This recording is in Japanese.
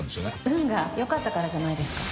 運が良かったからじゃないですか？